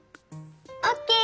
オッケー！